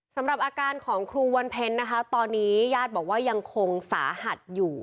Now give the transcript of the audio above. สำหรับอาการของครูวันเพ็ญนะคะตอนนี้ญาติบอกว่ายังคงสาหัสอยู่